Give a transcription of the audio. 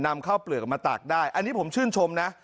นำข้าวเปลือกมาตากได้อันนี้ผมชื่นชมนะ